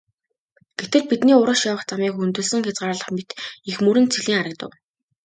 Гэтэл бидний урагш явах замыг хөндөлсөн хязгаарлах мэт их мөрөн цэлийн харагдав.